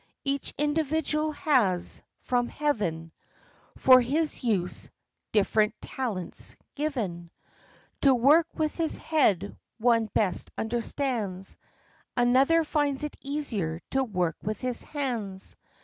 Each individual has, from Heaven, For his use, different talents given. 82 THE LIFE AND ADVENTURES To work with his head one best understands; Another finds it easier to work with his hands